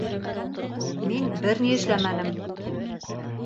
— Мин бер ни эшләмәнем.